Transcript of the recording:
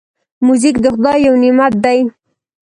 موزیک د خدای یو نعمت دی.